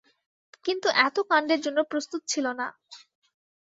কিন্তু এত কাণ্ডের জন্য প্রস্তুত ছিল না।